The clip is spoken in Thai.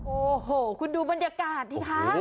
โอ้โหคุณดูบรรยากาศสิคะ